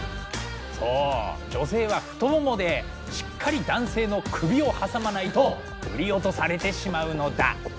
そう女性は太ももでしっかり男性の首を挟まないと振り落とされてしまうのだ。